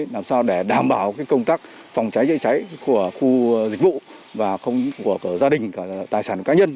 làm sao để đảm bảo công tác phòng cháy chữa cháy của khu dịch vụ và không của gia đình cả tài sản cá nhân